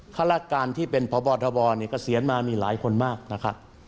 ฆาตการที่เป็นพบทบเนี่ยเกษียณมามีหลายคนมากนะครับ